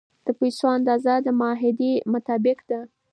د پیسو اندازه د معاهدې مطابق ده.